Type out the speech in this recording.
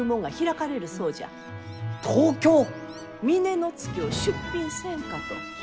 峰乃月を出品せんかと。